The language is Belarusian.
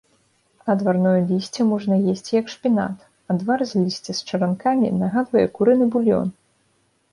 Адварное лісце можна есці як шпінат, адвар з лісця з чаранкамі нагадвае курыны булён.